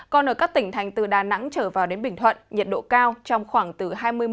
còn ở các tỉnh thành từ đà nẵng trở vào đến bình thuận nhiệt độ cao trong khoảng từ